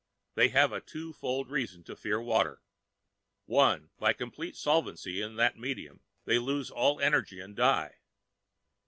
"They have a twofold reason to fear water. One: by complete solvency in that medium, they lose all energy and die.